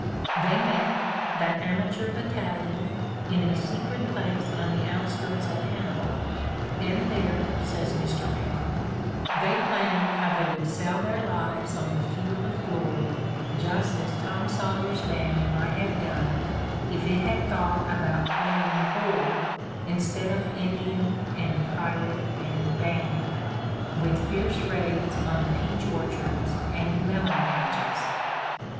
They met, that amateur battalion, in a secret place on the outskirts of Hannibal, and there, says Mr. Paine, "they planned how they would sell their lives on the field of glory just as Tom Sawyer's band might have The Gilded Age 53 done if it had thought about playing 'war' instead of 'Indian' and 'Pirate' and 'Bandit' with fierce raids on peach orchards and melon patches."